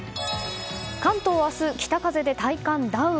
関東は明日、北風で体感ダウン。